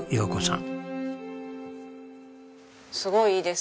すごいいいです。